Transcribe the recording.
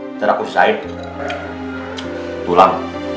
nanti aku sisain